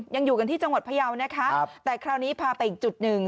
ยังอยู่กันที่จังหวัดพยาวนะคะแต่คราวนี้พาไปอีกจุดหนึ่ง